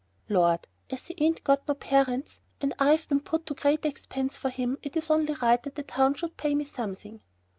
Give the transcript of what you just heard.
"Lord! as he ain't got no parents and I've been put to great expense for him, it is only right that the town should pay me something."